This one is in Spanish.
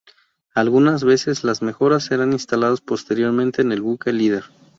Algunas veces las mejoras serán instaladas posteriormente en el buque líder.